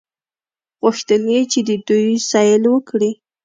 غوښتل یې چې د دوی سیل وکړي.